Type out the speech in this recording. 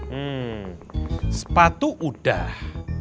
hmm sepatu udah